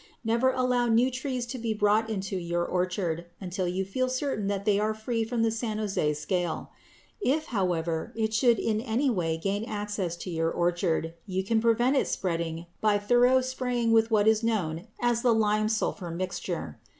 Never allow new trees to be brought into your orchard until you feel certain that they are free from the San Jose scale. If, however, it should in any way gain access to your orchard, you can prevent its spreading by thorough spraying with what is known as the lime sulphur mixture.